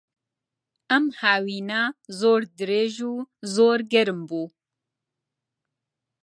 ئەم هاوینە زۆر درێژ و زۆر گەرم بوو.